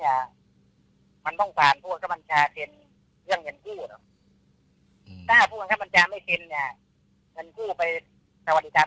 ลายเต็มเพราะว่าที่ผมถืออยู่เนี้ยมันเป็นเป็นลายเต็ม